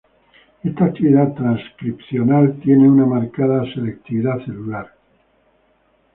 Esta actividad transcripcional tiene una marcada selectividad celular.